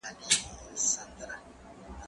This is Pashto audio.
کېدای سي سبزیحات خراب وي!؟